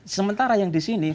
sementara yang disini